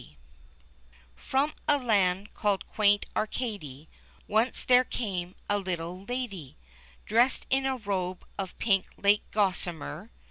ROM a land called Quaint Arcady Once there came a little lady Dressed in a robe of pink like gos samer.